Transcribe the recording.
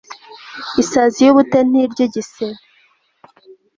isazi y'ubute ntirya igisebe